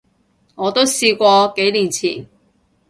我都試過，幾年前